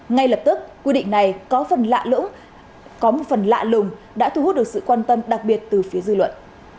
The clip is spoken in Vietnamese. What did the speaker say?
ngay lập tức quy định này có một phần lạ lùng đã thu hút được sự quan tâm đặc biệt từ phía dư luận